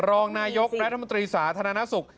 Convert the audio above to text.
รองนายกรัฐมนตรีสาธารณสุข